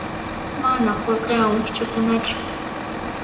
Mana qullqiwan wikch'ukunachu.